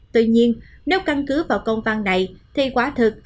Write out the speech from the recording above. tuy nhiên nếu căn cứ vào công văn này thì quá thật